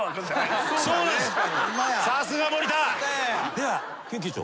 では研究長。